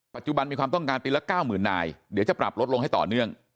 ปัจจุบันมีความต้องการปีละ๙๐๐นายเดี๋ยวจะปรับลดลงให้ต่อเนื่อง